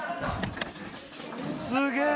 「すげえ！」